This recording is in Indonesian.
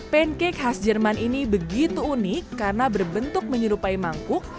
pancake khas jerman ini begitu unik karena berbentuk menyerupai mangkuk